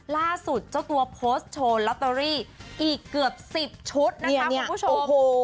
ล่าสุดเจ้าตัวโพสต์โชว์ลอตเตอรี่อีกเกือบ๑๐ชุดนะคะคุณผู้ชม